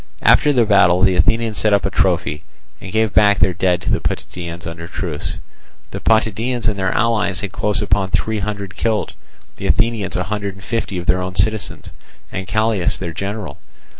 After the battle the Athenians set up a trophy, and gave back their dead to the Potidæans under truce. The Potidæans and their allies had close upon three hundred killed; the Athenians a hundred and fifty of their own citizens, and Callias their general.